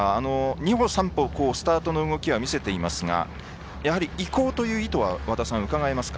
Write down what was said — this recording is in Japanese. ２歩、３歩スタートの動きは見せていますがやはりいこうという意図はうかがえますか。